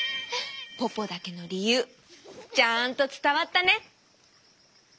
ポポだけのりゆうちゃんとつたわったね。